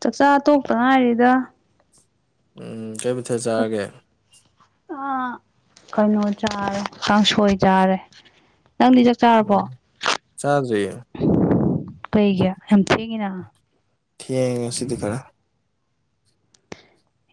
ꯆꯥꯛꯆꯥ ꯇꯣꯛꯇ ꯉꯥꯏꯔꯤꯗ ꯎꯝ ꯀꯩꯕꯨꯊ ꯆꯥꯑꯒꯦ ꯑ ꯀꯩꯅꯣ ꯆꯥꯔꯦ ꯀꯥꯡꯁꯣꯏ ꯆꯥꯔꯦ ꯅꯪꯗꯤ ꯆꯥꯔꯕꯣ ꯎꯝ ꯆꯖ ꯀꯩꯒꯤ ꯌꯥꯝ ꯊꯦꯡꯉꯤꯅ ꯊꯤꯡ ꯁꯤꯗꯤ ꯀꯔ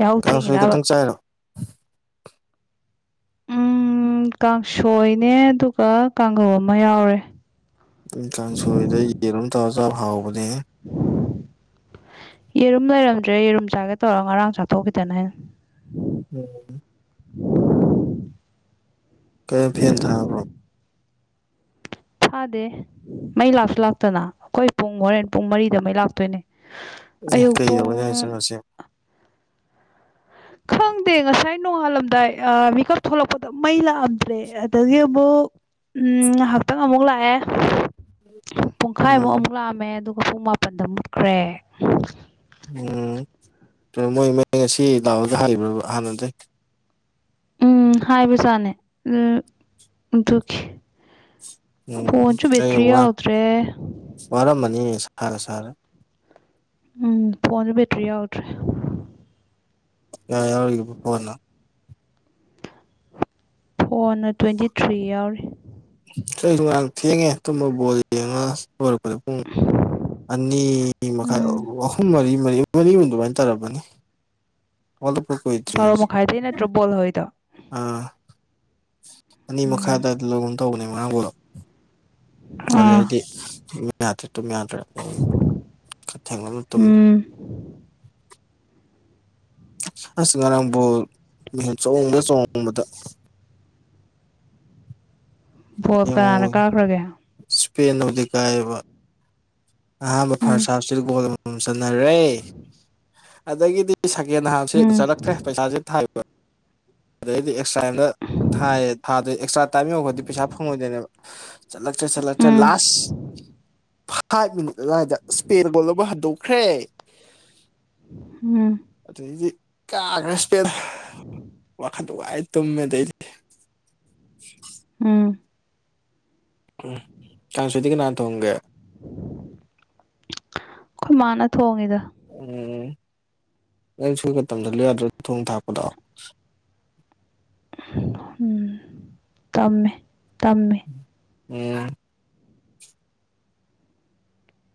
ꯌꯥꯍꯧ ꯀꯥꯡꯁꯣꯏ ꯊꯦꯡꯉꯤꯔꯕ ꯛꯇꯪ ꯆꯥꯏꯔꯣ ꯎꯝ ꯀꯥꯡꯁꯣꯏꯅꯦ ꯑꯗꯨꯒ ꯀꯥꯡꯍꯧ ꯑꯃ ꯌꯥꯎꯔꯦ ꯀꯥꯡꯁꯣꯏꯗ ꯌꯦꯟꯣꯝ ꯇꯧꯔ ꯆꯥꯕ ꯍꯥꯎꯕꯅꯦ ꯌꯦꯔꯨꯝ ꯂꯩꯔꯝꯗ꯭ꯔꯦ ꯌꯦꯔꯨꯝ ꯆꯥꯒꯦ ꯇꯧꯔ ꯉꯔꯥꯡ ꯆꯥꯊꯣꯛꯈꯤꯗꯅ ꯍꯥꯏ ꯎꯝ ꯀꯔꯣꯝ ꯐꯦꯟ ꯊꯥꯕ꯭ꯔꯣ ꯐꯥꯗꯦ ꯃꯩ ꯂꯥꯛꯁꯨ ꯂꯥꯛꯇꯅ ꯑꯩꯈꯣꯏ ꯄꯨꯡ ꯍꯣꯔꯦꯟ ꯄꯨꯡ ꯃꯔꯤꯗ ꯃꯩ ꯂꯥꯛꯇꯣꯏꯅꯦ ꯑꯦ ꯑꯌꯨꯛ ꯄꯨꯡ ꯀꯩꯗꯧꯕꯗꯣ ꯍꯥꯏ ꯆꯪꯉꯁꯤꯦ ꯈꯪꯗꯦ ꯉꯁꯥꯏ ꯅꯣꯡꯉꯥꯜꯂꯝꯗꯥꯏ ꯃꯤꯀꯞ ꯊꯣꯛꯂꯛꯄꯗ ꯃꯩ ꯂꯥꯛꯑꯝꯗ꯭ꯔꯦ ꯑꯗꯒꯤ ꯑꯃꯨꯛ ꯎꯝ ꯉꯥꯏꯍꯥꯛꯇꯪ ꯑꯃꯨꯛ ꯂꯥꯛꯑꯦ ꯄꯨꯡꯈꯥꯏꯃꯨꯛ ꯎꯝ ꯑꯃꯨꯛ ꯂꯥꯛꯑꯝꯃꯦ ꯑꯗꯨꯒ ꯄꯨꯡ ꯃꯥꯄꯟꯗ ꯃꯨꯠꯈ꯭ꯔꯦ ꯎꯝ ꯃꯣꯏ ꯃ ꯉꯁꯤ ꯂꯥꯛꯑꯣꯗ ꯍꯥꯏꯕ꯭ꯔꯕ ꯍꯥꯟꯅꯗꯒꯤ ꯎꯝ ꯍꯥꯏꯕꯖꯥꯅꯦ ꯑꯗꯨ ꯑꯗꯨꯈꯤ ꯎꯝ ꯐꯣꯟꯣꯟꯁꯨ ꯦꯇꯔꯤ ꯌꯥꯎꯗ꯭ꯔꯦ ꯋꯥꯔꯝꯕꯅꯤ ꯁꯥꯔꯦ ꯁꯥꯔꯦ ꯎꯝ ꯐꯣꯟꯁ‌ꯦ‌ ꯕ‌ꯦꯇꯔꯤ ꯌꯥꯎ ꯀꯌꯥ ꯌꯥꯎꯔꯤꯒ‌ꯦꯕ ꯐꯣꯟꯅ ꯐꯣꯟꯅ ꯇꯨꯋꯦꯟꯇꯤ ꯊ꯭ꯔꯤ ꯌꯥꯎꯔꯤ ꯑꯩꯁꯨ ꯉꯔꯥꯡ ꯊꯦꯡꯉꯦ ꯇꯨꯝꯕ ꯕ‌ꯣꯜ ꯌꯦꯜꯉꯒ ꯂꯣꯏꯔꯛꯄꯗ ꯄꯨꯡ ꯑꯅꯤ ꯃꯈꯥꯏ ꯎꯝ ꯑꯍꯨꯝ ꯃꯔꯤ ꯃꯔꯤ ꯃꯔꯤꯃꯨꯝ ꯑꯗꯨꯃꯥꯏꯅ ꯇꯧꯔꯝꯃꯅꯤ ꯑ‌ꯣꯜꯂꯛꯄ ꯀꯨꯏꯗꯔꯤ ꯕꯥꯔꯣ ꯑꯩꯁꯨ ꯃꯈꯥꯏꯗꯩ ꯅꯠꯇ꯭ꯔꯣ ꯕꯣꯜ ꯍꯧꯔꯤꯗꯣ ꯑꯥ ꯑꯅꯤ ꯎꯝ ꯃꯈꯥꯗ ꯂꯒꯨꯝ ꯇꯧꯕꯅꯦ ꯃꯥꯡꯕꯨꯔꯣ ꯑꯗꯨꯗ ꯑꯥ ꯑꯩꯗꯤ ꯇꯨꯝ ꯌꯥꯗ꯭ꯔꯦ ꯇꯨꯝ ꯌꯥꯗ꯭ꯔꯦ ꯈ ꯊꯪꯅꯅ ꯇꯨꯝꯃꯦ ꯎꯝ ꯑꯁ ꯉꯔꯥꯡꯕꯨ ꯃꯤꯨ ꯆꯣꯡꯗ ꯆꯣꯡꯕꯗ ꯕꯣꯜ ꯌꯦ ꯀꯅꯥꯅ ꯀꯥꯈ꯭ꯔꯒꯦ ꯏꯁꯄꯦꯟꯕꯨꯗꯤ ꯀꯥꯏꯕ ꯑꯍꯥꯟꯕ ꯎꯝ ꯐꯥꯔꯁꯞꯁꯤꯒꯣꯜ ꯑꯃꯃꯝ ꯆꯠꯟꯅꯔꯦ ꯑꯗꯒꯤꯗꯤ ꯑꯩ ꯁꯀꯦꯟ ꯍꯥꯞꯁꯦ ꯎꯝ ꯎꯠꯂꯛꯇ꯭ꯔꯦ ꯄꯩꯁꯥꯁꯦ ꯊꯥꯏ ꯑꯗꯩꯗꯤ ꯑꯦꯛꯁꯇ꯭ꯔꯥꯗ ꯊꯥꯏꯌꯦ ꯊꯥꯗ ꯑꯦꯛꯁꯇ꯭ꯔꯥ ꯇꯥꯏꯝ ꯌꯧꯔꯈ꯭ꯔꯗꯤ ꯄꯩꯁꯥ ꯐꯪꯉꯣꯏꯗꯣꯏꯅꯦꯕ ꯆꯠꯂꯛꯇꯔ‌ꯦ ꯆꯠꯂꯛꯇꯔ‌ꯦ ꯎꯝ ꯂꯥꯁ ꯐꯥ ꯐꯥꯏꯚ ꯃꯤꯅꯤꯠ ꯑꯗꯨꯋꯥꯏꯗ ꯏꯁꯄꯦꯟꯅ ꯕ‌ꯣꯜ ꯑꯃ ꯍꯟꯗꯣꯛꯈ꯭ꯔꯦ ꯎꯝ ꯑꯗꯨꯗꯩꯗꯤ ꯀꯥꯈ꯭ꯔ‌ꯦ ꯏꯁꯄꯦꯟꯅ ꯋꯥꯈꯟ ꯅꯨꯡꯉꯥꯏꯅ ꯇꯨꯝꯃꯦ‌ ꯑꯗꯩꯗꯤ [unintelligible] ꯎꯝ ꯎꯝ ꯀꯥꯡꯁ‌ꯣꯏꯗꯤ ꯀꯅꯥ ꯊꯣꯡꯒꯦ ꯑꯩꯈꯣꯏ ꯃꯥꯅ ꯊꯣꯡꯉꯤꯗ ꯎꯝ ꯅꯪꯁꯨ ꯈꯔ ꯇꯝꯁꯟꯂꯨ ꯌꯥꯗ꯭ꯔ‌ꯣ ꯊꯣꯡ ꯊꯥꯛꯄꯗꯣ ꯎꯝ ꯇꯝꯃꯦ ꯇꯝꯃꯦ ꯎꯝ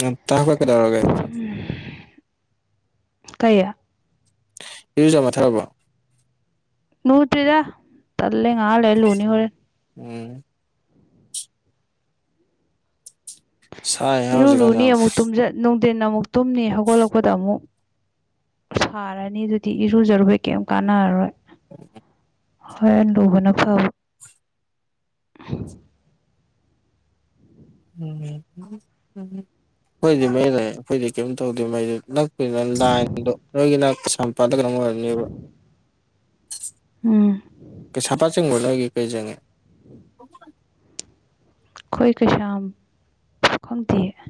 ꯌꯥꯝ ꯇꯥꯡꯅ ꯀꯩꯗꯧꯔꯒꯦ ꯎꯝ ꯀꯩ ꯏꯔꯨꯖꯥ ꯃꯥꯏꯊꯥꯔꯕꯣ ꯂꯨꯗꯔꯤꯗ ꯇꯜꯂꯦ ꯉꯥꯏꯍꯥꯛ ꯂꯩꯔ ꯂꯨꯅꯤ ꯍ‌ꯣꯏꯔ‌ꯦꯟ ꯎꯝ ꯁꯥꯏꯍꯦ ꯏꯔꯨ ꯍꯧꯖꯤꯛꯀꯥꯟꯁꯦ ꯂꯨꯅꯤ ꯌꯥꯝ ꯑꯃꯨꯛ ꯇꯨꯝꯁꯟ ꯅꯨꯡꯊꯤꯟ ꯑꯃꯨꯛ ꯇꯨꯝꯅꯤ ꯍꯧꯒꯠꯂꯛꯄꯗ ꯑꯃꯨꯛ ꯁꯥꯔꯅꯤ ꯑꯗꯨꯗꯤ ꯏꯔꯨꯖꯔꯨꯕꯩ ꯀꯩꯝ ꯀꯥꯟꯅꯔꯔꯣꯏ [unintelligible] ꯍꯣꯏꯔ‌ꯦꯟ ꯂꯨꯕꯅ ꯐꯕ ꯎꯝ ꯑꯩꯈꯣꯏꯗꯤ ꯃꯩ ꯂꯥꯛꯑꯦ ꯑꯩꯈꯣꯏꯗꯤ ꯀꯩꯝ ꯇꯧꯗꯦ ꯃꯩꯗ‌ꯣ ꯅꯛꯄꯅꯤꯅ ꯂꯥꯏꯟꯗꯣ ꯅꯣꯏꯒꯤꯅ [unintelligible] [unintelligible] ꯎꯝ ꯀꯩꯁꯥꯝꯄꯥꯠ ꯆꯤꯡꯕꯔ‌ꯣ ꯅ‌ꯣꯏꯒꯤ ꯀꯩ ꯆꯤꯡꯉꯤ ꯑꯩꯈꯣꯏ ꯀꯩꯁꯥꯝ ꯈꯪꯗꯤꯌ‌ꯦ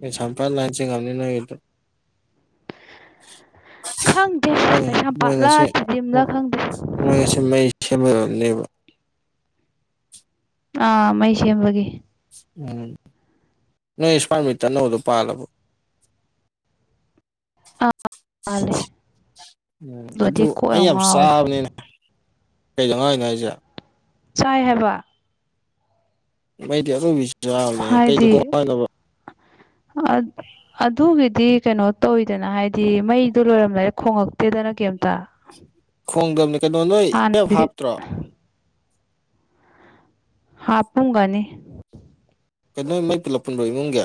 ꯀꯩꯁꯥꯝꯄꯥꯠ ꯂꯥꯟ ꯆꯤꯡꯉꯝꯅꯤ ꯅꯣꯏꯒꯤꯗꯣ ꯈꯪꯗꯦ ꯃꯣꯏ ꯀꯩꯁꯥꯝꯄꯥꯠꯂ‌ ꯊꯤꯗꯤꯝꯂ ꯈꯪꯗꯦ ꯃꯣꯏꯒꯤꯁꯨ ꯃꯩ ꯁꯦꯝꯒꯗꯕꯅꯦꯕ ꯑꯥ ꯃꯩ ꯁꯦꯝꯕꯒꯤ ꯎꯝ ꯅꯣꯏ ꯁꯋꯥꯏ ꯃꯤꯇꯔ ꯑꯅꯧꯕꯗꯨ ꯄꯥꯜꯂꯕ‌ꯣ ꯄꯥꯟꯗ‌ꯦ ꯎꯝ ꯑꯗꯨ ꯑꯩ ꯌꯥꯝ ꯉꯥꯎꯋꯦ ꯆꯥꯕꯅꯤꯅ ꯀꯩꯗꯧꯉꯥꯏꯅꯣ ꯍꯥꯏꯁꯦ ꯆꯥꯏ ꯍꯥꯏꯕ ꯃꯩꯗꯤ ꯑꯔꯣꯢꯕꯤ ꯆꯥꯕꯅꯤ ꯀꯩꯗ ꯀꯣꯛ ꯉꯥꯎꯔꯤꯅꯣꯕ ꯑꯗ ꯑꯗꯨꯒꯤꯗꯤ ꯀꯩꯅꯣ ꯇꯧꯋꯤꯗꯅ ꯍꯥꯏꯗꯤ ꯃꯩꯗꯣ ꯂꯣꯏꯔꯝꯗꯥꯢꯗ ꯈꯣꯡꯉꯛꯇꯦꯗꯅ ꯀꯩꯝꯇ ꯈꯣꯡꯗꯕꯅꯦ ꯀꯩꯅꯣ ꯅꯣꯏ ꯏꯞ ꯍꯥꯟꯅꯗꯤ ꯍꯥꯞꯇ꯭ꯔꯣ ꯍꯥꯞꯄꯥꯝꯒꯅꯤ ꯀꯩꯅꯣ ꯃꯩ ꯄꯨꯂꯞ ꯄꯨꯟꯕꯔꯣ ꯏꯃꯨꯡꯒꯤ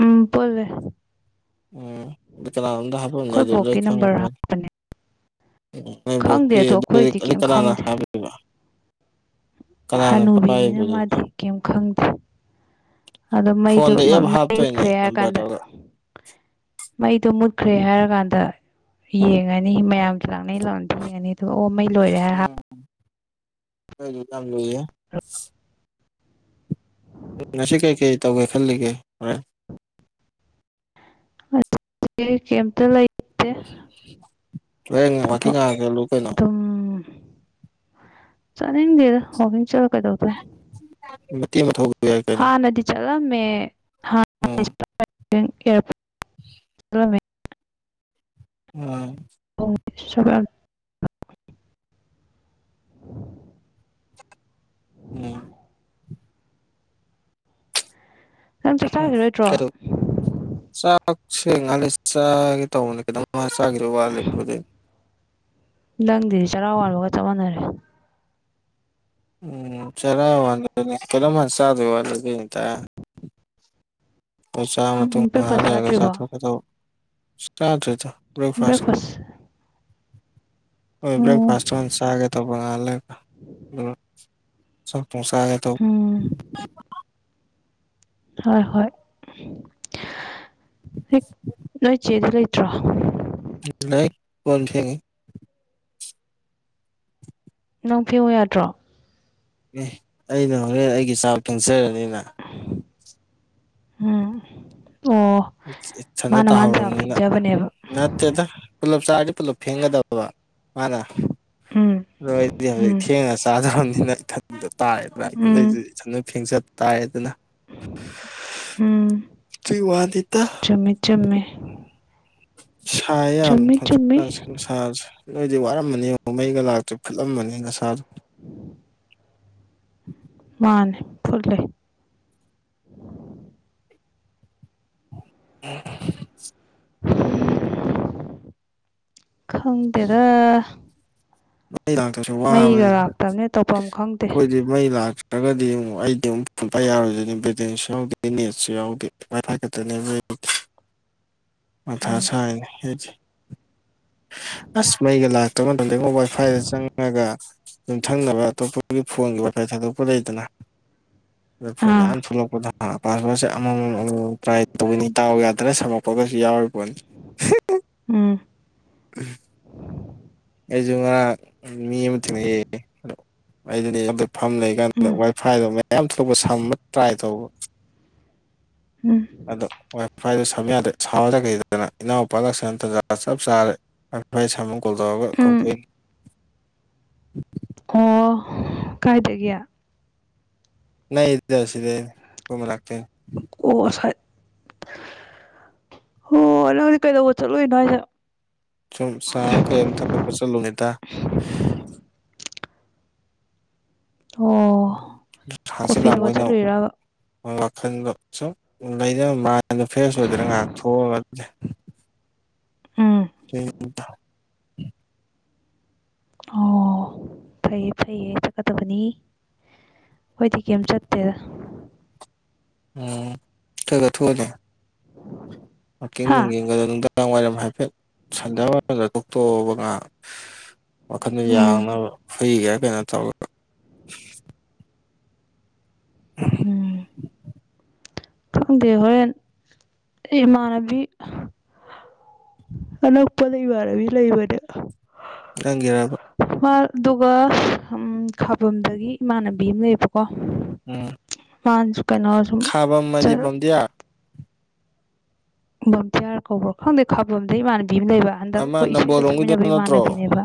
ꯎꯝ ꯄꯨꯜꯂꯦ ꯎꯝ ꯑꯩꯈꯣꯏ [unintelligible] ꯕꯣꯛꯀꯤ ꯅꯝꯕꯔ ꯍꯥꯞꯄꯅꯦ ꯈꯪꯗꯦ ꯅꯣꯏꯕꯨꯛꯀꯤ ꯑꯗꯣ ꯑꯗꯨꯗꯤ ꯑꯩꯈꯣꯏꯗꯤ ꯑꯗꯨꯗꯤ ꯀꯩꯝ ꯀꯅꯥꯅ ꯈꯪꯗꯦ ꯍꯥꯜꯂꯤꯕ ꯍꯅꯨꯕꯤꯅꯤꯅ ꯃꯥꯗꯤ ꯀꯩꯝ ꯈꯪꯗꯦ ꯑꯗꯣ ꯃꯩꯗꯨ ꯐꯣꯟꯗ ꯃ ꯑꯦꯞ ꯃꯩ ꯍꯥꯞꯇꯣꯏꯅꯦ ꯃꯨꯠꯈ꯭ꯔꯦ ꯍꯥꯏꯔ ꯅꯝꯕꯔ ꯀꯥꯟꯗ ꯇꯧꯔꯒ ꯃꯩꯗꯣ ꯃꯨꯠꯈ꯭ꯔꯦ ꯍꯥꯏꯔ ꯀꯥꯟꯗ ꯌꯦꯡꯉꯅꯤ ꯃꯌꯥꯝꯒꯤ ꯂꯥꯛꯅꯩ ꯂꯥꯛꯅꯗ‌ꯦ ꯌꯦꯡꯉꯅꯤ ꯑꯗꯨꯒ ꯑꯣ ꯃꯩ ꯂꯣꯏꯔꯦ ꯍꯥꯏꯔ ꯍꯤꯞ ꯑꯩꯒꯤ ꯌꯥꯝ ꯂꯨꯏꯌ‌ꯦ ꯉꯁꯤ ꯀꯩꯀꯩ ꯇꯧꯒꯦ ꯈꯜꯂꯤꯒꯦ ꯍꯣꯔꯦꯟ ꯍ‌ꯣꯏ ꯔꯤꯂꯤꯞ ꯀ‌ꯦꯝꯗ ꯂꯩ ꯂꯩꯇꯦ ꯍꯣꯔꯦꯟ ꯇꯥꯕꯣ ꯋꯥꯀꯤꯡ ꯉꯥꯏꯍꯥꯛ ꯆꯠꯂꯨ ꯀꯩꯅꯣ ꯑꯗꯨꯝ ꯆꯠꯅꯤꯡꯗꯦꯗ ꯋꯥꯛꯀꯤꯛ ꯆꯠꯂ ꯀꯩꯗꯧꯗꯨꯢꯅꯣ ꯃꯤ ꯃ ꯍ [inaudible] ꯍꯥ ꯅꯗꯤ ꯆꯂ ꯃꯄ ꯎꯝ [inaudible] [unintelligible] ꯎꯝ ꯁꯕ [inaudible] ꯎꯝ ꯅꯪ ꯆꯥꯛ ꯆꯥꯈꯤꯔꯣꯏꯗ꯭ꯔꯣ ꯀꯩꯅꯣ ꯆꯥꯛꯁꯦ ꯉꯥꯛ ꯂꯩꯔ ꯆꯥꯒꯦ ꯇꯧꯕ ꯃꯥ ꯆꯈꯤꯔꯣꯏ ꯋꯥꯠꯂꯤ ꯑꯗꯨꯗꯤ ꯅꯪꯗꯤ ꯆꯔꯥ ꯋꯥꯟꯕꯒ ꯆꯞ ꯃꯥꯟꯅꯔꯦ ꯎꯝ ꯆꯂꯣ ꯋꯥ ꯀꯂꯣ ꯃꯟꯁꯗꯜꯗꯤ [inaudible] ꯏꯇꯥ ꯆꯔ ꯃꯇꯨꯡ ꯎꯝ ꯉꯥꯏꯍꯥꯛ ꯕ꯭ꯔꯦꯛꯐꯥꯁ ꯂꯩꯔꯒ ꯆꯥꯗ꯭ꯔꯤꯕꯣ ꯆꯥꯊꯣꯛꯀꯦ ꯇꯧꯕ ꯆꯥꯗ꯭ꯔꯤꯗ ꯕ꯭ꯔꯦꯛꯐꯥꯁꯀ ꯕꯦꯛꯐꯥꯁ ꯎꯝ ꯕ꯭ꯔꯦꯛꯐꯥꯁ ꯇꯨ ꯍꯥꯟꯅ ꯆꯒꯦ ꯇꯧꯕ ꯉꯛ ꯂꯩꯔꯒ ꯄꯨꯡꯁꯥꯒꯦꯗ [inaudible] ꯎꯝ ꯍꯣꯏ ꯍꯣꯏ ꯍ ꯅꯣꯏ ꯏ ꯆꯦꯗ ꯂꯩꯇ꯭ꯔꯣ ꯂꯩ ꯀꯣꯟ ꯐꯦꯟꯉꯤ ꯅꯪ ꯐꯦꯟꯎꯨ ꯌꯥꯗ꯭ꯔꯣ ꯑꯦ ꯑꯩꯅ ꯍꯣꯔꯦꯟ ꯑꯩꯒꯤ ꯆꯥ ꯐꯦꯟꯖꯔꯅꯤꯗꯅ ꯎꯝ ꯑꯣ ꯢꯊꯥꯟꯇ ꯃꯥꯅ ꯃꯥꯅ ꯆꯥꯕ ꯇꯍꯧꯔꯕꯅꯤꯅ ꯐꯦꯡꯖꯕꯅꯦꯕ ꯅꯠꯇꯦꯗ ꯄꯨꯜꯂꯞ ꯆꯥꯔꯗꯤ ꯄꯨꯜꯂꯞ ꯐꯦꯡꯒꯗꯕ ꯃꯥꯅ ꯎꯝ ꯅꯣꯏꯗꯤ ꯍꯧꯖꯤꯛ ꯎꯝ ꯊꯦꯡꯅ ꯆꯥꯗꯧꯔꯕꯅꯤꯅ ꯊꯟꯗ ꯇꯥꯔꯦꯗꯅ ꯎꯝ ꯢꯊꯥꯟ ꯐꯦꯡꯖ ꯇꯥꯔꯦꯗꯅ ꯑꯗꯨꯢ ꯋꯥꯅꯤꯗ ꯆꯨꯝꯃꯦ ꯆꯨꯝꯃꯦ ꯁꯥꯢ ꯌꯥꯝ ꯆꯨꯝꯃꯤ ꯍꯧꯖꯤꯛꯀꯥꯟꯁꯦ ꯁꯥꯗꯕꯦ ꯅꯣꯏꯗꯤ ꯋꯥꯔꯝꯃꯅꯤ ꯃꯩꯒ ꯂꯥꯛꯇꯔꯦ ꯐꯨꯠꯂꯝꯃꯅꯤ ꯅꯁꯥꯁꯨ ꯃꯥꯅꯦ ꯐꯨꯠꯂꯦ ꯑ [inaudible] ꯈꯪꯗꯦꯗ ꯑꯩ ꯂꯥꯛꯇꯁꯨ ꯃꯩꯒ ꯋꯥꯕꯅꯤꯅ ꯂꯥꯛꯇꯕꯅꯦ ꯇꯧꯐꯝ ꯈꯪꯗꯦ ꯑꯩꯈꯣꯏꯗꯤ ꯃꯩ ꯂꯥꯛꯇ꯭ꯔꯒꯗꯤ ꯑꯃꯨꯛ ꯑꯩꯗꯤ ꯑꯃꯨꯛ ꯐꯣꯟꯇ ꯌꯥꯔꯣꯏꯁꯤꯅꯦ ꯕꯦꯇꯦꯟꯁꯨ ꯌꯥꯎꯗꯦ ꯅꯦꯠꯁꯨ ꯌꯥꯎꯗꯦ ꯃꯊ ꯀꯦꯇ ꯅꯕ [unintelligible] ꯃꯊꯥ ꯎꯝ ꯁꯥꯏꯅ ꯍꯥꯏꯗꯤ ꯑꯁ ꯃꯩꯒ ꯂꯥꯛꯇꯕꯅ ꯇꯝꯗꯩ ꯃꯣꯕꯥꯏꯜ ꯁꯐꯥꯏꯗ ꯆꯪꯉꯒ ꯌꯨꯝꯊꯪꯅꯕ ꯑꯇꯣꯞꯄꯒꯤ ꯐꯣꯟꯒꯤ ꯋꯥꯏꯐꯥꯏ ꯊꯥꯗꯣꯛꯄ ꯂꯩꯗꯅ ꯐꯣꯟ ꯑꯥ ꯊꯂꯄꯣꯊ ꯄꯥꯁꯄꯣꯔꯠꯁꯦ ꯑꯃꯃꯝ ꯇ꯭ꯔꯥꯏ ꯇꯧꯕꯅꯤ ꯇꯗꯥꯎ ꯌꯥꯗꯅ ꯁꯝꯃꯛꯄꯒꯁꯨ ꯌꯥꯎꯔꯤꯕꯣꯠꯅꯤ ꯎꯝ ꯎꯝ ꯑꯩꯁꯨ ꯉꯔꯥꯡ ꯃꯤ ꯑꯃ ꯊꯛꯅꯩꯌꯦ ꯑꯗꯣ ꯑꯩ ꯑꯗꯨ ꯐꯝ ꯂꯩ ꯀꯥꯟꯗ ꯎꯝ ꯋꯥꯏ ꯐꯥꯏꯗꯣ ꯃꯌꯥꯝ ꯊꯣꯛꯂꯛꯄ ꯁꯝꯕ ꯇ꯭ꯔꯥꯏ ꯇꯧꯕ ꯎꯝ ꯑꯗꯣ ꯋꯥꯢ ꯐꯥꯏꯗꯣ ꯁꯝ ꯌꯥꯗ꯭ꯔꯦ ꯁꯥꯎꯔ ꯆꯠꯒꯔꯦ ꯏꯅꯥꯎꯄꯥꯒ ꯁ [inaudible] ꯇꯟꯖꯥ ꯆꯞ ꯆꯥꯔꯦ ꯑꯣꯏ ꯁꯃꯨ ꯀꯣꯜ ꯇꯧꯑꯒ ꯎꯝ ꯀꯧꯗꯣꯏ [inaudible] ꯑꯣ ꯀꯥꯏꯗꯒꯤ ꯅꯥꯛꯢꯗꯥ ꯌꯥꯝꯅꯥ ꯑꯩꯈꯣꯣ ꯃꯅꯛꯇꯒꯤꯅꯦ ꯑꯣ ꯁꯥꯏ ꯍꯣ ꯅꯪꯗꯤ ꯀꯩꯗꯧꯕ ꯆꯠꯂꯨꯏꯅꯣ ꯍꯥꯏꯁꯦ ꯁꯨꯝ ꯆꯥ ꯑꯃ ꯀꯩ ꯑꯃ ꯊꯛꯄ ꯆꯠꯂꯨꯕꯅꯤꯗ ꯑꯣ ꯍꯥꯡꯖꯤꯛ ꯀꯣꯐꯤ ꯂꯥꯡꯕ ꯊꯛꯄ ꯑꯣꯢꯅ ꯆꯠꯂꯨꯏꯔꯕ ꯋꯥꯈꯜꯗꯣ ꯁꯨꯝ ꯂꯩꯅꯕ ꯃꯜꯗ ꯐ꯭ꯔꯦꯁ ꯑꯣꯏꯗ꯭ꯔꯅ ꯉꯥꯏꯍꯥꯛ ꯊꯣꯛꯑꯒ ꯑꯗꯨꯗꯤ ꯎꯝ ꯊ ꯑꯣ ꯐꯩꯌꯦ ꯐꯩꯌꯦ ꯆꯠꯀꯗꯕꯅꯤ ꯑꯩꯈꯣꯏꯗꯤ ꯀꯩꯝ ꯆꯠꯇꯦꯗ ꯎꯝ ꯊꯣꯏꯒ ꯊꯣ ꯑꯅꯦꯦ ꯋꯥꯥꯛꯀꯤꯡ ꯍꯥ ꯅꯨꯡ ꯌꯦꯡꯒꯗꯣ ꯅꯨꯡꯗꯥꯡ ꯋꯥꯏꯔꯝ ꯍꯥꯏꯐꯦꯠ ꯁꯟꯗ ꯋꯥꯏꯔꯝꯗ ꯇꯣꯑꯕ ꯉ ꯋꯥꯈꯟꯗ ꯎꯝ ꯌꯥꯡꯅꯕ ꯐꯩꯒꯦꯔꯥ ꯀꯩꯅꯣ ꯇꯧꯋꯦ [unintelligible] ꯗ ꯍꯣꯏ ꯏꯃꯅꯕꯤ ꯑꯅ ꯄꯗꯩ ꯋꯥꯔꯦ ꯏꯂꯕꯔꯦ ꯅꯪꯒꯤꯦꯔꯕ ꯑꯗꯨꯒ ꯈꯥꯕꯗꯒꯤ ꯏꯃꯥꯟꯅꯕꯤ ꯑꯃ ꯂꯩꯌꯦꯕꯀꯣ ꯎꯝ ꯋꯥꯁꯨ ꯀꯩꯅꯣꯁꯨꯨꯝ ꯈꯥꯕꯝ ꯆ ꯍꯥꯏꯗꯤ ꯕꯝꯗꯤꯌꯥ ꯕꯣꯟꯇꯤꯌꯥꯔ ꯀꯧꯕ꯭ꯔ ꯈꯪꯗꯦ ꯈꯥꯕꯝꯗꯩ ꯏꯥꯟꯅꯕꯤꯕ ꯑꯃ ꯂꯩꯕ ꯍꯟꯗꯛ ꯑꯃ ꯑꯩꯈꯣꯏ ꯏꯁꯩꯒ ꯅꯝꯕꯣꯜꯂꯣꯝꯒꯤꯗꯣ ꯆꯠꯃꯤꯟꯅꯕ ꯅꯠꯇ꯭ꯔꯣ ꯏꯃꯥꯟꯅꯕꯤꯅꯦꯕ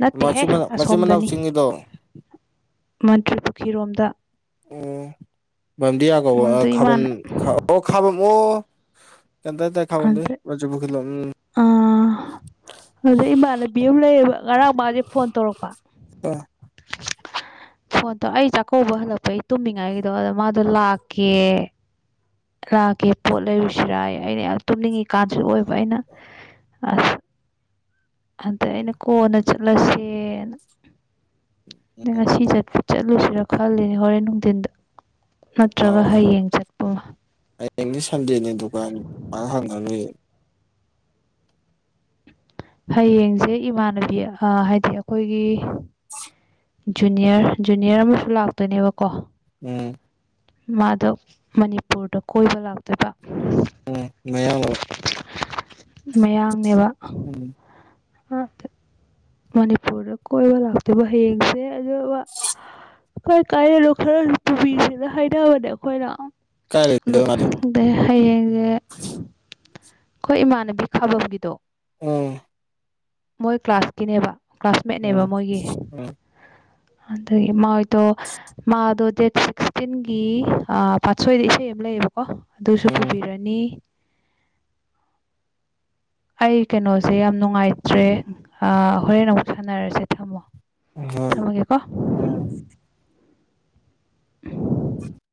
ꯅꯠꯇꯦꯍꯦ ꯃꯆꯤꯟ ꯃꯅꯥꯎ ꯑꯁꯣꯝꯗꯅꯤ ꯆꯤꯡꯒꯤꯗꯣ ꯃꯟꯇ꯭ꯔꯤ ꯄꯨ꯭ꯔꯣꯝꯗ ꯑꯣ ꯃꯔꯝꯗꯤꯌꯥ ꯀꯧꯕ ꯑꯗꯨꯗ ꯈꯥꯕꯝ ꯏꯃꯥꯅ ꯑꯣ ꯈꯕꯝ ꯑꯣ ꯀ ꯇ ꯈꯕ ꯑꯗ ꯅꯖꯕꯨꯈ ꯂꯂꯝ ꯎꯝ ꯑꯗꯩ ꯏꯃꯥꯟꯅꯕꯤ ꯑꯃ ꯂꯩꯌꯦꯕ ꯉꯔꯥꯡ ꯃꯥꯁꯦ ꯐꯣꯟ ꯇꯧꯔꯛꯄ ꯑꯥ ꯐꯣꯟꯗꯣ ꯑꯩ ꯆꯥꯛꯀꯧꯕ ꯍꯜꯂꯛꯄ ꯑꯩ ꯇꯨꯝꯃꯤꯉꯥꯏꯒꯤꯗꯣ ꯑꯗ ꯃꯥꯗꯣ ꯂꯥꯛꯀꯦ ꯂꯥꯛꯒꯦ ꯄꯣꯠ ꯂꯩꯔꯨꯁꯤꯔꯥ ꯑꯩꯅ ꯌꯥꯝ ꯇꯨꯝꯅꯤꯡꯉꯤꯀꯥꯟꯁꯤ ꯑꯣꯏꯕ ꯑꯩꯅ ꯑ ꯑꯗ ꯑꯩꯅ ꯀꯣꯟꯅ ꯆꯠꯂꯁꯦꯅ ꯑꯗ ꯉꯁꯤ ꯆꯠꯄ ꯆꯠꯂꯦ ꯂꯨꯁꯤꯔꯣ ꯈꯜꯂꯤꯅꯦ ꯍꯣꯔꯦꯟ ꯅꯨꯡꯊꯤꯟꯗ ꯅꯠꯇ꯭ꯔꯒ ꯂꯥꯛꯑꯣ ꯍꯥꯏꯒꯅꯤ ꯍꯌꯦꯡ ꯆꯠꯄ ꯑꯃ ꯍꯌꯦꯡꯅꯤ ꯁꯟꯗꯦꯅꯦ ꯗꯨꯀꯥꯟ ꯍꯪꯉ ꯂꯨꯏ ꯍꯌꯦꯡꯁꯦ ꯏꯃꯥꯟꯅꯕꯤ ꯍꯥꯏꯗꯤ ꯑꯩꯈꯣꯏꯒꯤ ꯖꯨꯅꯤꯌꯔ ꯖꯨꯅꯤꯌꯔ ꯑꯃꯁꯨ ꯂꯥꯛꯇꯣꯏꯅꯦꯕꯀꯣ ꯎꯝ ꯃꯥꯗꯣ ꯃꯅꯤꯄꯨꯔꯗ ꯀꯣꯏꯕ ꯂꯥꯛꯇꯕ ꯎꯝ ꯃꯌꯥꯝꯡꯂ ꯃꯌꯥꯝꯡꯅꯦꯕ ꯎꯝ ꯑꯠꯇ ꯃꯅꯤꯄꯨꯔꯗ ꯀꯣꯏꯕ ꯂꯥꯛꯇꯣꯏꯕ ꯍꯌꯦꯡꯁꯦ ꯑꯗꯨꯒ ꯑꯩꯣꯏ ꯀꯥꯏꯔꯣ ꯈꯔ ꯂ ꯄꯨꯕꯤꯁꯤꯅ ꯍꯥꯏꯅꯕꯅꯦ ꯑꯩꯈꯣꯏꯅ ꯑꯣ ꯀꯥꯏ ꯂꯩꯗꯣꯏ ꯃꯥꯗꯤ ꯑꯗꯩ ꯍꯌꯦꯡꯁꯦ ꯑꯩꯈꯣꯏ ꯏꯃꯥꯟꯅꯕꯤ ꯈꯥꯕꯝꯒꯤꯗꯣ ꯎꯝ ꯃꯣꯏ ꯀ꯭ꯂꯥꯁꯀꯤꯅꯦꯕ ꯀ꯭ꯂꯥꯁꯃꯦꯠꯅꯦꯕ ꯎꯝ ꯃꯣꯏꯒꯤ ꯑꯗ ꯏꯃ ꯍꯗꯣ ꯃꯥꯗꯣ ꯗꯦꯠ ꯁꯤꯛꯁꯇꯤꯟꯒꯤ ꯄꯥꯠꯁꯣꯏꯗ ꯏꯁꯩ ꯑꯃ ꯂꯩꯌꯦꯕꯀꯣ ꯀꯣ ꯑꯗꯨꯁꯨ ꯎꯝ ꯄꯨꯕꯤꯔꯅꯤ ꯑꯩ ꯀꯩꯅꯣꯁꯦ ꯌꯥꯝ ꯅꯨꯡꯉꯥꯏꯇ꯭ꯔꯦ ꯍꯣꯔꯦꯟ ꯑꯃꯨꯛ ꯁꯥꯟꯅꯔꯁꯦ ꯊꯝꯃꯣ ꯍ ꯒꯦꯀꯣ [inaudible]